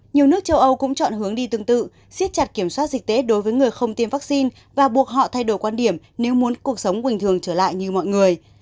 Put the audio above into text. nhiều nước châu âu cũng chọn hướng đi tương tự xiết chặt kiểm soát dịch tễ đối với người không tiêm vaccine và buộc họ thay đổi quan điểm nếu muốn cuộc sống bình thường trở lại như mọi người